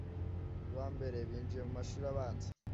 ba mbere binjiye mu mashuri abanza